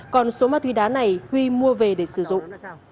còn số ma túy đá này huy mua về để sử dụng